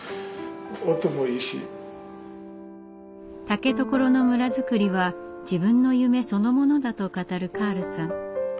竹所の村づくりは自分の夢そのものだと語るカールさん。